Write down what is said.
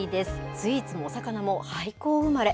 スイーツもお魚も、廃校生まれ。